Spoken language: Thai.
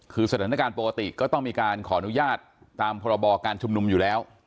คือสถานการณ์ปกติก็ต้องมีการขออนุญาตตามพรบการชุมนุมอยู่แล้ว